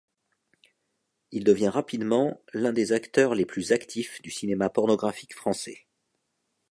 Il devient rapidement l'un des acteurs les plus actifs du cinéma pornographique français.